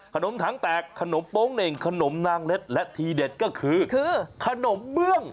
ถังแตกขนมโป๊งเหน่งขนมนางเล็ดและทีเด็ดก็คือขนมเบื้อง